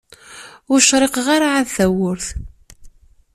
Ur cṛiqeɣ ara ɛad tawwurt.